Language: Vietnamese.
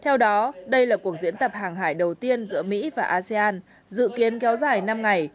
theo đó đây là cuộc diễn tập hàng hải đầu tiên giữa mỹ và asean dự kiến kéo dài năm ngày